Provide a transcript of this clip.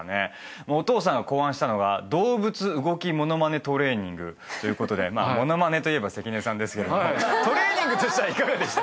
お父さんが考案したのが動物動き物まねトレーニングということで物まねといえば関根さんですけれどもトレーニングとしてはいかがでしたか？